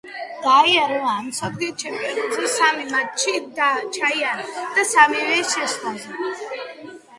დაიერმა მსოფლიო ჩემპიონატზე სამი მატჩი ჩაატარა და სამივე შეცვლაზე.